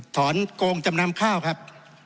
ถอนกงจำลำค่าวครับ